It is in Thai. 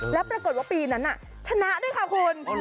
แล้วปรากฏว่าปีนั้นชนะด้วยค่ะคุณ